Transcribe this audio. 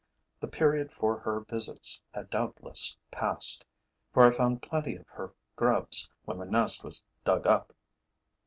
The period for her visits had doubtless passed; for I found plenty of her grubs when the nest was dug up.